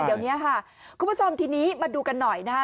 เดี๋ยวนี้ค่ะคุณผู้ชมทีนี้มาดูกันหน่อยนะฮะ